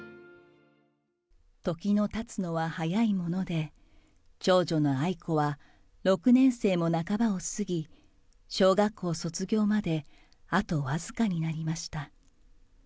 時のたつのは早いもので、長女の愛子は６年生も半ばを過ぎ、小学校卒業まであと僅かになりました。